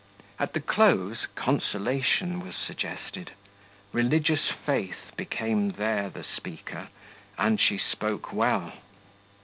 At the close, consolation was suggested; religious faith became there the speaker, and she spoke well.